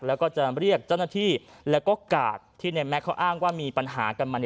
แล้วก็จะเรียกเจ้าหน้าที่แล้วก็กาดที่ในแม็กซเขาอ้างว่ามีปัญหากันมา